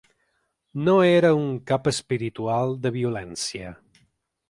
No era un ‘cap espiritual’ de violència.